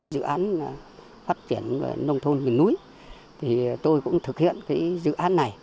dự án phát triển nông thôn người núi tôi cũng thực hiện dự án này